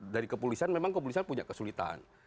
dari kepolisian memang kepolisian punya kesulitan